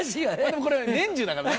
でもこれ年中だからね。